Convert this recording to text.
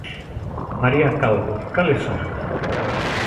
María Calvo, cales son?